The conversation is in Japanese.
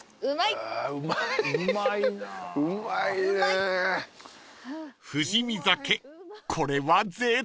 うまいね。